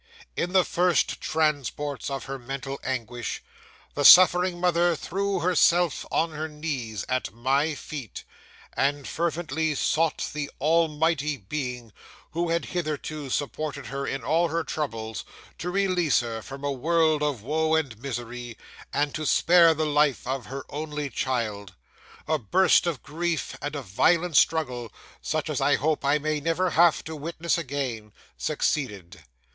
'In the first transports of her mental anguish, the suffering mother threw herself on her knees at my feet, and fervently sought the Almighty Being who had hitherto supported her in all her troubles to release her from a world of woe and misery, and to spare the life of her only child. A burst of grief, and a violent struggle, such as I hope I may never have to witness again, succeeded.